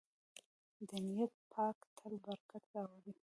د نیت پاکي تل برکت راوړي.